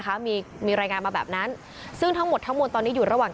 คะมีมีรายงานมาแบบนั้นซึ่งทั้งหมดทั้งมวลตอนนี้อยู่ระหว่าง